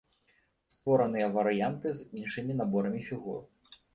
Створаныя варыянты з іншымі наборамі фігур.